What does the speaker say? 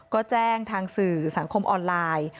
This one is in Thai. ก็แจ้งทางสื่อสังคมออนไลน์